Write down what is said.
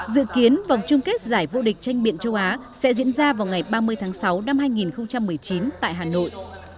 dự kiến vòng chung kết giải vô địch tranh biện châu á sẽ diễn ra vào ngày ba mươi tháng sáu năm hai nghìn một mươi chín tại hà nội